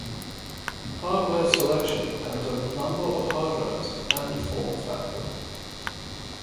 Hardware selection depends on number of hard drives and form factor.